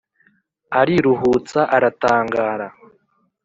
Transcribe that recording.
ariruhutsa aratangara,